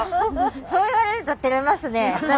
そう言われるとてれますね。